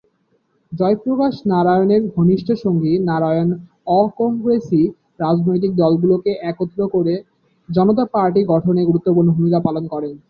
জয়প্রকাশ নারায়ণের ঘনিষ্ঠ সঙ্গী নারায়ণ অ-কংরেসী রাজনৈতিক দলগুলিকে একত্র করে জনতা পার্টি গঠনে গুরুত্বপূর্ণ ভূমিকা পালন করেন।